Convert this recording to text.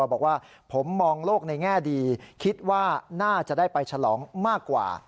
บอกว่าผมมองโลกในแง่ดีคิดว่าน่าจะได้ไปฉลองมากกว่า